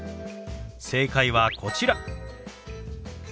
正解はこちら。